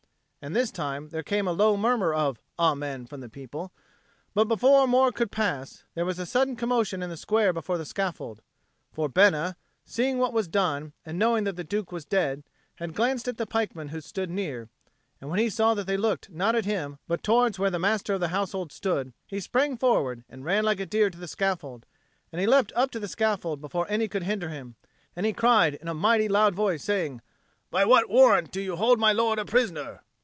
And this time there came a low murmur of "Amen" from the people. But before more could pass, there was a sudden commotion in the square before the scaffold. For Bena, seeing what was done, and knowing that the Duke was dead, had glanced at the pikemen who stood near; and when he saw that they looked not at him but towards where the Master of the Household stood, he sprang forward and ran like a deer to the scaffold; and he leapt up to the scaffold before any could hinder him, and he cried in a mighty loud voice, saying, "By what warrant do you hold my lord a prisoner?"